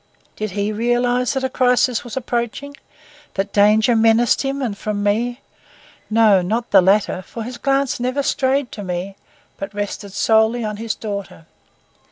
Did he realize that a crisis was approaching, that danger menaced him, and from me? No, not the latter, for his glance never strayed to me, but rested solely on his daughter.